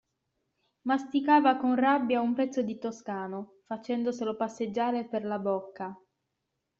Masticava con rabbia un pezzo di toscano, facendoselo passeggiare per la bocca.